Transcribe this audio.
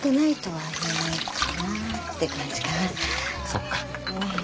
そっか。